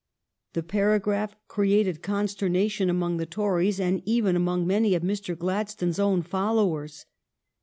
The paragraph created consternation among the Tories and even among many of Mr. Gladstone's own followers.